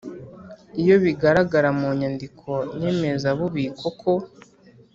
Iyo bigaragara mu nyandiko nyemezabubiko ko